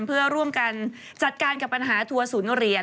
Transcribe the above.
เพื่อร่วมกันจัดการกับปัญหาทัวร์ศูนย์เหรียญ